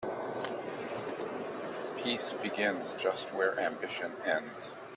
Peace begins just where ambition ends.